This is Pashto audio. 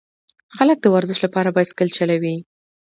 خلک د ورزش لپاره بایسکل چلوي.